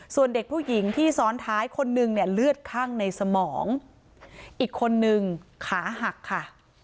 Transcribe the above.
ส่วนเด็กผู้หญิงที่ซ้อนท้ายคนนึงเนี่ยเลือดข้างในสมองอีกคนนึงขาหักค่ะ